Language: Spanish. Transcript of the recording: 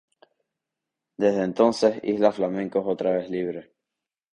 Desde entonces isla Flamenco es otra vez libre.